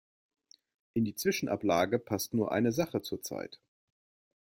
In die Zwischenablage passt nur eine Sache zur Zeit.